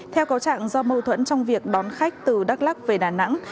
theo cáo chẳng do mô thuẫn trong việc đón khách từ đắk lắc về đà nẵng